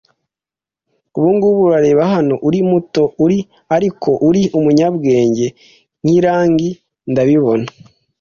ubungubu, urareba hano: uri muto, uri, ariko uri umunyabwenge nkirangi. Ndabibona